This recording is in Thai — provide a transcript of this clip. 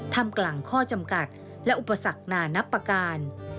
ทำกลางข้อจำกัดและอุปสรรคนานับประการ